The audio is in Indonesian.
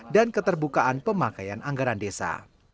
dan keterbukaan pemakaian anggaran desa